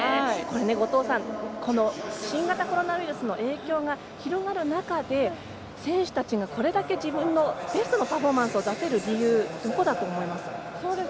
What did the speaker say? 後藤さん新型コロナウイルスの影響が広がる中で選手たちが、これだけ自分のベストのパフォーマンスを出せる理由、どこだと思います？